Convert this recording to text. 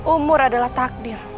umur adalah takdir